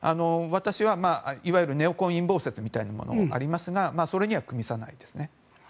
私はいわゆるネオコン陰謀説みたいなものもありますがそれにはくみさないですね。